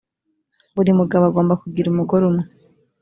buri mugabo agomba kugira mugore umwe